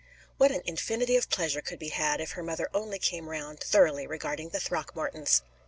What an infinity of pleasure could be had, if her mother only came round thoroughly regarding the Throckmortons!